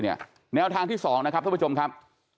แนวทางที่๒นะครับท่านผู้ชมครับ